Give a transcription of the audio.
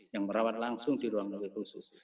yang merawat langsung di ruang publik khusus